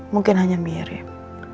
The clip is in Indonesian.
mungkin hanya mirip